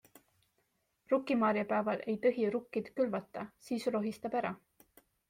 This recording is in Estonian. Rukkimaarjapäeval ei tõhi rukkid külvata, siis rohistab ära.